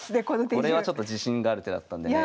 これはちょっと自信がある手だったんでね。